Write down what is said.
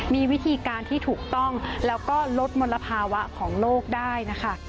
มีวิธีการที่ถูกต้องแล้วก็ลดมลภาวะของโลกได้นะคะ